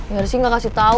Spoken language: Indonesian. ya rizky gak kasih tau